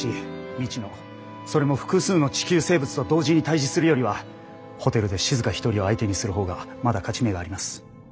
未知のそれも複数の地球生物と同時に対じするよりはホテルでしずか１人を相手にするほうがまだ勝ち目があります。